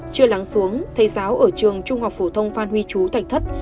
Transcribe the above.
chưa lắng xuống thầy giáo ở trường trung học phổ thông phan huy chú thành thất